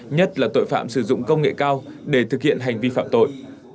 nhất là tội phạm sử dụng công nghệ cao để thực hiện hành vi phạm tội